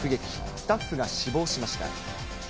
スタッフが死亡しました。